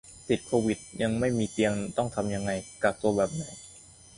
ติดโควิดแต่ยังไม่มีเตียงต้องทำยังไง กักตัวแบบไหน